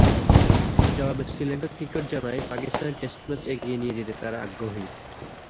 জবাবে শ্রীলঙ্কা ক্রিকেট জানায়, পাকিস্তানে টেস্ট ম্যাচ এগিয়ে নিয়ে যেতে তারা আগ্রহী।